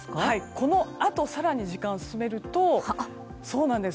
このあと更に時間を進めるとそうなんです。